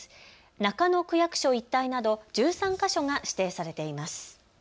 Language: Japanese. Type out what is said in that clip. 中野区役所一帯など１３か所が指定されています。